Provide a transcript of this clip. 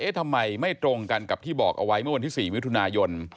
ทำไมไม่ตรงกันกับที่บอกเอาไว้เมื่อวันที่๔มิถุนายน